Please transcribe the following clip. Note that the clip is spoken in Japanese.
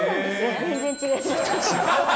全然違います。